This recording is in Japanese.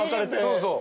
そうそう。